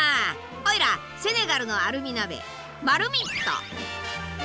おいらセネガルのアルミ鍋マルミット！